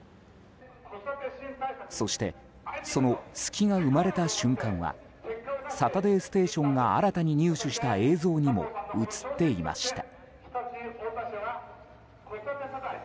そして、その隙が生まれた瞬間は「サタデーステーション」が新たに入手した映像にも映っていました。